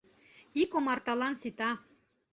Ик омарталан сита.